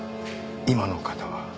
今の方は？